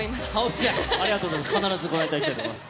ありがとうございます。